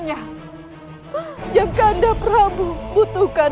saya sicher pun ibu berhutang